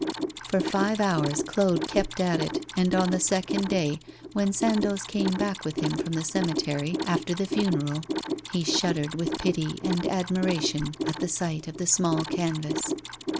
For five hours Claude kept at it, and on the second day, when Sandoz came back with him from the cemetery, after the funeral, he shuddered with pity and admiration at the sight of the small canvas.